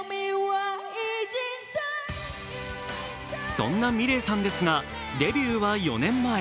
そんなｍｉｌｅｔさんですが、デビューは４年前。